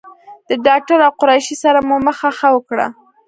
د ډاکټر او قریشي سره مو مخه ښه وکړه.